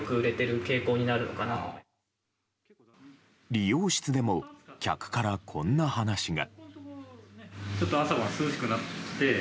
理容室でも客からこんな話が。